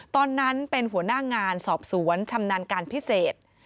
ตอนนั้นเป็นหัวหน้างานสอบสวนชำนาญการพิเศษ